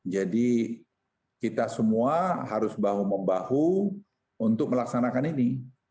jadi kita semua harus bahu membahu untuk melaksanakan ini